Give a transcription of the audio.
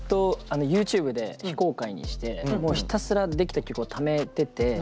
ずっとＹｏｕＴｕｂｅで非公開にしてひたすら出来た曲をためてて。